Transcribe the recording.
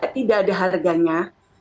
tidak ada harganya